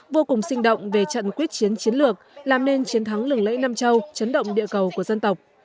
vô cùng sinh động về trận quyết chiến chiến lược làm nên chiến thắng lừng lẫy nam châu chấn động địa cầu của dân tộc